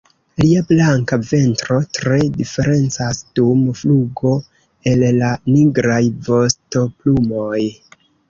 Lia blanka ventro tre diferencas dum flugo el la nigraj vostoplumoj.